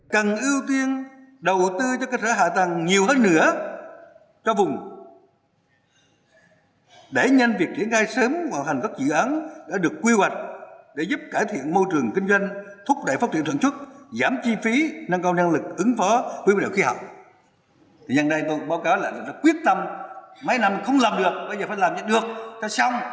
cần ưu tiên đầu tư cho cơ sở hạ tầng nhiều hơn nữa cho vùng để nhanh việc triển khai sớm hoặc hành các dự án đã được quy hoạch để giúp cải thiện môi trường kinh doanh thúc đẩy phát triển sản xuất giảm chi phí nâng cao năng lực ứng phó quy mô điều khi hạ